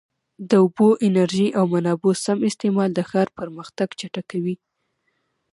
د اوبو، انرژۍ او منابعو سم استعمال د ښار پرمختګ چټکوي.